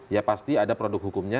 ya pasti ada produk hukumnya